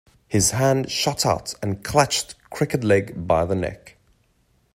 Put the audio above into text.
His hand shot out and clutched Crooked-Leg by the neck.